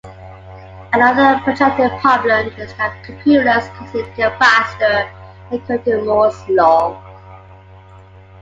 Another projected problem is that computers continue to get faster according to Moore's law.